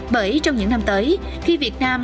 bởi trong những năm tới khi việt nam